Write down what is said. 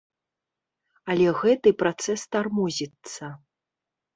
Але гэты працэс тармозіцца.